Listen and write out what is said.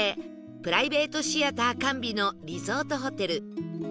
プライベートシアター完備のリゾートホテルＴＨＥＡＴＥＲ